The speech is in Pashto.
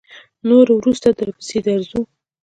نور وروسته درپسې درځو.